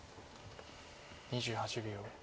２８秒。